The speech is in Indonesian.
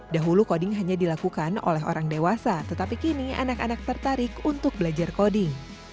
dahulu coding hanya dilakukan oleh orang dewasa tetapi kini anak anak tertarik untuk belajar koding